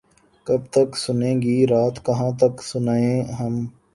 کب تک سنے گی رات کہاں تک سنائیں ہم